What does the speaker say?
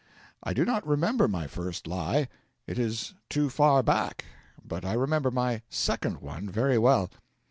I do not remember my first lie, it is too far back; but I remember my second one very well.